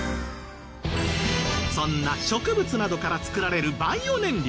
そんな植物などから作られるバイオ燃料。